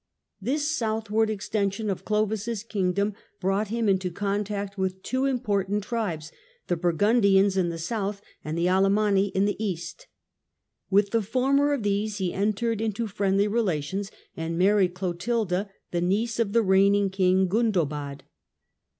This southward extension of Clovis' kingdom brought him into contact with two important tribes — the Bur gundians in the South and the Alemanni in the East. With the former of these he entered into friendly relations, and married Clotilda, the niece of the reigning King, Gundobad.